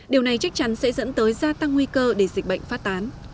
điều này chắc chắn sẽ dẫn tới gia tăng nguy cơ để dịch bệnh phát tán